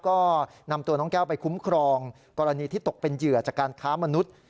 ก็นำตัวน้องแก้วไปคุ้มครองกรณีที่ตกเป็นเหยื่อจากการค้ามนุษย์